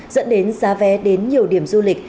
dẫn đến giá vé đến nhiều điểm du lịch